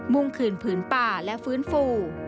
มุ่งคื่นภื้นป่าและฟื้นฟู